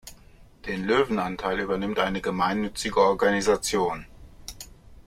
Den Löwenanteil übernimmt eine gemeinnützige Organisation.